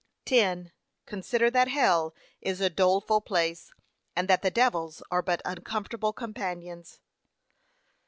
10. Consider that hell is a doleful place, and that the devils are but uncomfortable companions.